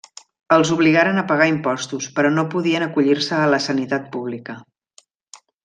Els obligaren a pagar impostos, però no podien acollir-se a la sanitat pública.